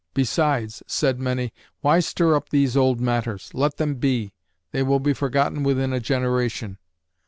"Besides," said many, "why stir up these old matters? Let them be; they will be forgotten within a generation."